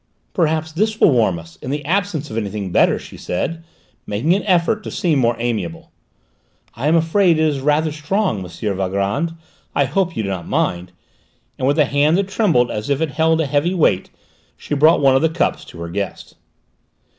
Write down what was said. "Perhaps this will warm us, in the absence of anything better," she said, making an effort to seem more amiable. "I am afraid it is rather strong, M. Valgrand; I hope you do not mind?" and, with a hand that trembled as if it held a heavy weight, she brought one of the cups to her guest.